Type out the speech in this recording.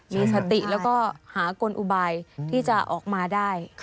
มีสติแล้วก็หากลอุบายที่จะออกมาได้